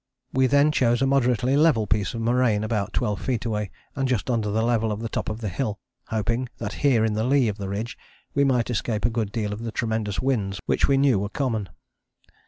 We then chose a moderately level piece of moraine about twelve feet away, and just under the level of the top of the hill, hoping that here in the lee of the ridge we might escape a good deal of the tremendous winds which we knew were common.